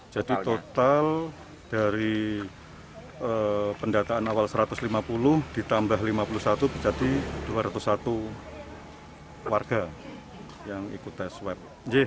jadi total dari pendataan awal satu ratus lima puluh ditambah lima puluh satu jadi dua ratus satu warga yang ikut tes swab